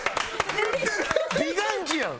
美顔器やん！